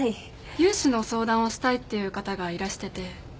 融資の相談をしたいっていう方がいらしてて。